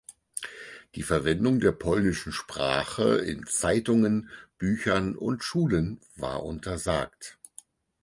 Die Verwendung der polnischen Sprache in Zeitungen, Büchern und Schulen war untersagt.